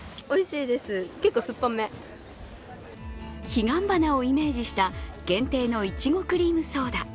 彼岸花をイメージした限定のいちごクリームソーダ。